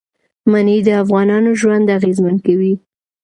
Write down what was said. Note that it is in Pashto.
منی د افغانانو ژوند اغېزمن کوي.